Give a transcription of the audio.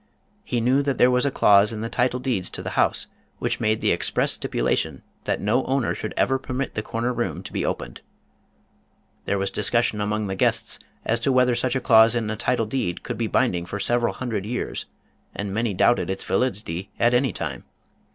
He knew that there was a clause in the title deeds to the house which made the express stipulation that no owner should ever permit the corner room to be opened. There was dis cussion among the guests as to whether such a clause in a title deed could be binding for several hundred years, and many doubted its validity at any time.